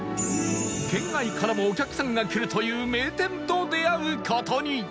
県外からもお客さんが来るという名店と出会う事に